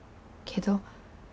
けど。